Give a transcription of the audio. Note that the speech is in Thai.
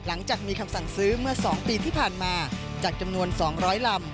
หลังจากมีคำสั่งซื้อเมื่อ๒ปีที่ผ่านมาจากจำนวน๒๐๐ลำ